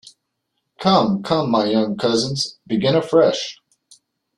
Come, come, my young cousins, begin afresh!